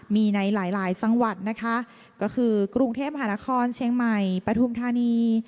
มีในหลายจังหวัดนะคะก็คือกรุงเทพหานครเชียงใหม่ปฐุมธานี